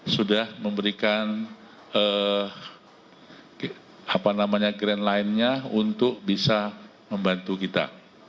sudah memberikan apa namanya grandlinenya untuk bisa membantu kita